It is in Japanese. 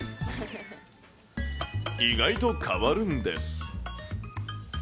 意外と変わるんです。